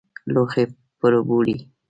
لوښي پرېولي.